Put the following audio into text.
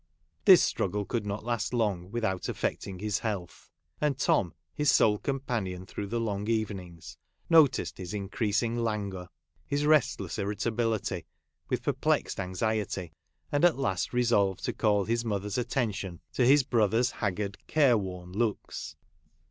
This struggle could not last long without affect ing his health ; and Tom, his sole companion through the long evenings, noticed his in creasing languor, his restless irritability, with perplexed anxiety, and at last resolved to call his mother's attention to his brother's haggard, care worn looks.